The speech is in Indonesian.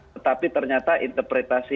tetapi ternyata interpretasi